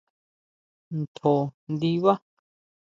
¿Ntjo ndibá?